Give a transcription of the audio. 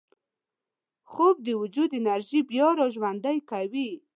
خوب د وجود انرژي بیا راژوندي کوي